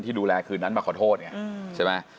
ดูแลคืนนั้นมาขอโทษไงใช่ไหม